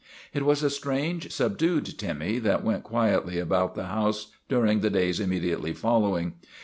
It was a strange, subdued Timmy that went quietly about the house during the days immediately following.